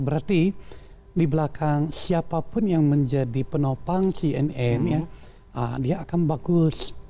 berarti di belakang siapapun yang menjadi penopang cnn dia akan bagus